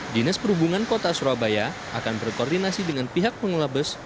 dinas perhubungan kota surabaya akan berkoordinasi dengan pihak pengelola bus